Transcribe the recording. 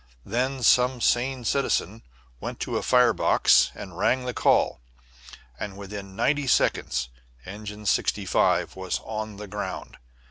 Then some sane citizen went to a fire box and rang the call, and within ninety seconds Engine 65 was on the ground.